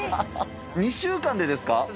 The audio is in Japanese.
２週間でですか。